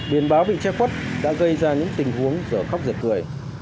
biển báo bị che khuất đã gây ra những tình huống giờ khóc giật cười